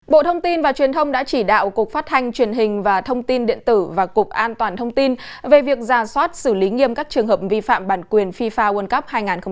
bộ thông tin và truyền thông đã chỉ đạo cục phát thanh truyền hình và thông tin điện tử và cục an toàn thông tin về việc ra soát xử lý nghiêm các trường hợp vi phạm bản quyền fifa world cup hai nghìn hai mươi